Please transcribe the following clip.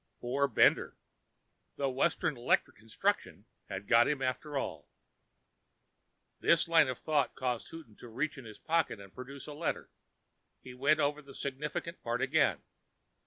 Poor Bender! The Western Electric Construction had got him after all. This line of thought caused Houghton to reach in his pocket and produce a letter. He went over the significant part again.